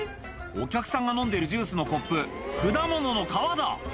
お客さんが飲んでるジュースのコップ果物の皮だ！